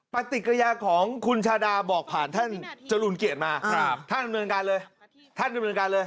ปฏิกิริยาของคุณชาดาบอกผ่านท่านจรุนเกียรติมาท่านเป็นบริษัทเลยครับ